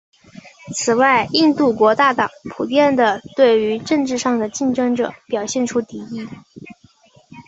此外印度国大党普遍地对于政治上的竞争者表现出敌意。